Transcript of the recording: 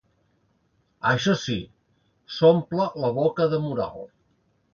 Això sí, s'omple la boca de moral.